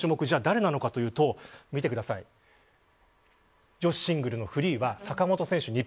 最後の種目が誰なのかというと女子シングルフリーは坂本選手